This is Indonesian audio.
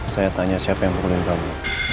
saya tanya siapa yang bukulin kamu